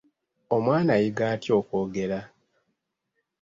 Omwana ayiga atya okwogera?